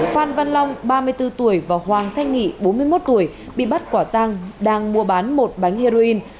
phan văn long ba mươi bốn tuổi và hoàng thanh nghị bốn mươi một tuổi bị bắt quả tang đang mua bán một bánh heroin